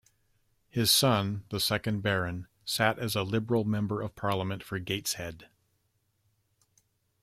His son, the second Baron, sat as a Liberal Member of Parliament for Gateshead.